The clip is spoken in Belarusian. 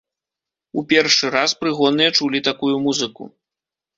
У першы раз прыгонныя чулі такую музыку.